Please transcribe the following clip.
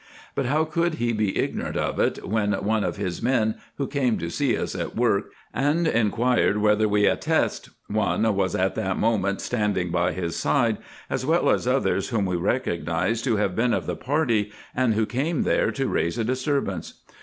But how could he be ignorant of it, when one of his men, who came to see us at work, and inquired whether we atqst one, was at that moment standing by his side, as well as others, whom we recognized to have been of the party, and who came there to raise a disturbance